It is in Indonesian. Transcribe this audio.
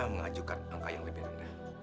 mengajukan angka yang lebih rendah